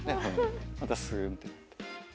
またすーんってなって。